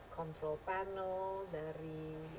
ditar selamat satu sekali